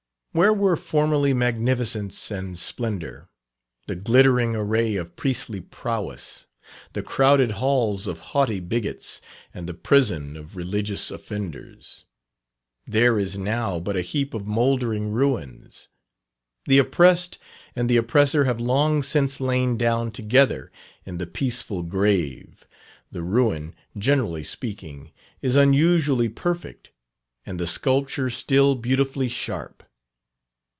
Where were formerly magnificence and splendour; the glittering array of priestly prowess; the crowded halls of haughty bigots, and the prison of religious offenders; there is now but a heap of mouldering ruins. The oppressed and the oppressor have long since lain down together in the peaceful grave. The ruin, generally speaking, is unusually perfect, and the sculpture still beautifully sharp.